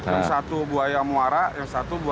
yang satu buaya muara yang satu bumbu